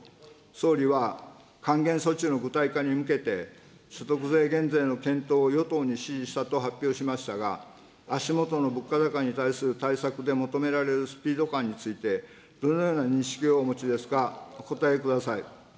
総理は還元措置の具体化に向けて、所得税減税の検討を与党に指示したと発表しましたが、足下の物価高に対する対策で求められるスピード感について、どのような認識をお持ちですか、お答えください。